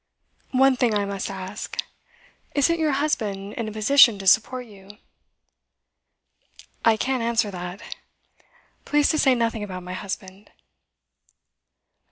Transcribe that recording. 'One thing I must ask. Isn't your husband in a position to support you?' 'I can't answer that. Please to say nothing about my husband.